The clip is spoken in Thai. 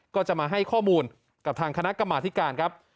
ก็จะมาให้ข้อมูลกับทางคณะกรรมาธิการครับ